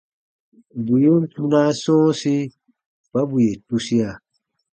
Bù yen kpunaa sɔ̃ɔsi kpa bù yè tusia.